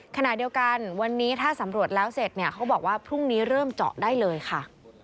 ขณะเดียวกันวันนี้ถ้าสำรวจแล้วเสร็จเนี่ยเขาบอกว่าพรุ่งนี้เริ่มเจาะได้เลยค่ะ